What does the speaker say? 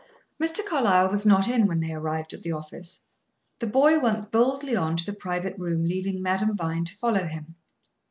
Mr. Carlyle was not in when they arrived at the office. The boy went boldly on to the private room, leaving Madame Vine to follow him.